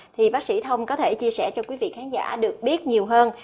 thì bác sĩ thông có thể chia sẻ cho quý vị khán giả được biết nhiều hơn